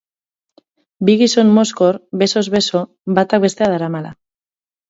Bi gizon mozkor, besoz beso, batak bestea daramala.